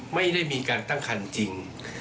ไม่ได้มีการตั้งคันจริง